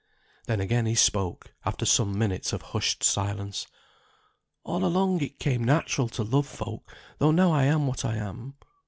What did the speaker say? Then again he spoke, after some minutes of hushed silence. "All along it came natural to love folk, though now I am what I am.